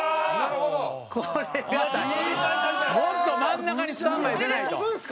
もっと真ん中にスタンバイしてないと。